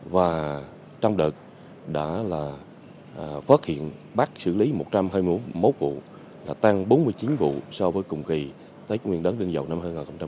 và trong đợt đã phát hiện bắt xử lý một trăm hai mươi một vụ tăng bốn mươi chín vụ so với cùng kỳ tới nguyên đớn đương dầu năm hai nghìn một mươi bảy